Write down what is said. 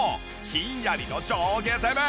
ひんやりの上下攻め！